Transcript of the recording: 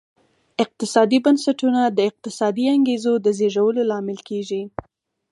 اقتصادي بنسټونه د اقتصادي انګېزو د زېږولو لامل کېږي.